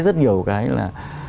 rất nhiều cái là